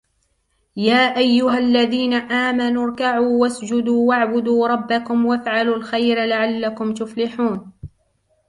يا أيها الذين آمنوا اركعوا واسجدوا واعبدوا ربكم وافعلوا الخير لعلكم تفلحون